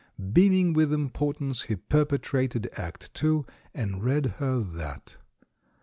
Beaming with impor tance, he perpetrated Act II, and read her that.